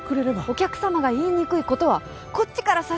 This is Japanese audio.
お客様が言いにくいことはこっちから察しないと。